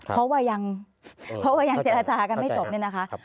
เพราะว่ายังเจรจากันไม่จบเนี่ยนะคะ